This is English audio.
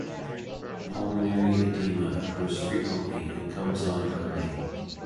Pulmonary oedema occurs frequently and comes on early.